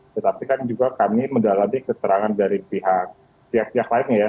tetapi kan juga kami mendalami keterangan dari pihak pihak lainnya ya